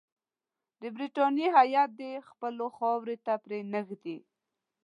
د برټانیې هیات دي خپلو خاورې ته پرې نه ږدي.